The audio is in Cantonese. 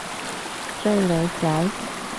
追女仔？